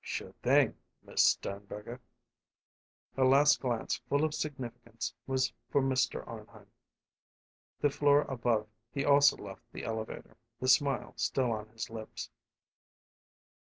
"Sure thing, Miss Sternberger." Her last glance, full of significance, was for Mr. Arnheim. The floor above he also left the elevator, the smile still on his lips.